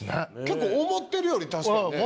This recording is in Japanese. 結構思ってるより確かにね。